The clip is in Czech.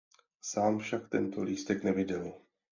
Sám však tento lístek neviděl.